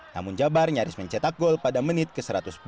namun jabar nyaris mencetak gol pada menit ke satu ratus sepuluh